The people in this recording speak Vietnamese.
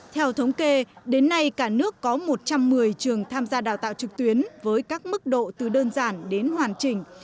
theo thống kê đến nay cả nước có một trăm một mươi trường tham gia đào tạo trực tuyến với các mức độ từ đơn giản đến hoàn chỉnh